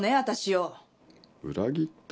裏切った？